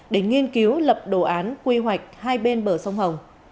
để nghiên cứu lập đồ án quy hoạch hai bên bờ sông hồng